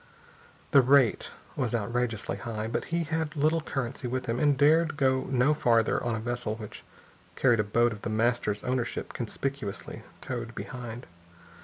The rate was outrageously high. But he had little currency with him and dared go no farther on a vessel which carried a boat of The Master's ownership conspicuously towed behind.